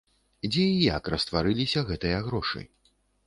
Дзе і як растварыліся гэтыя грошы?